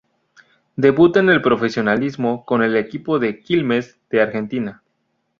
Debuta en el profesionalismo con el equipo de Quilmes de Argentina.